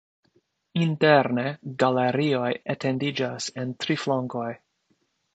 Interne galerioj etendiĝas en tri flankoj.